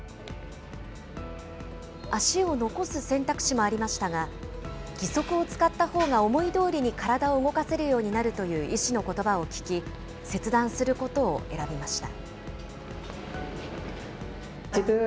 足を残す選択肢もありましたが、義足を使ったほうが思いどおりに体を動かせるようになるという医師のことばを聞き、切断することを選びました。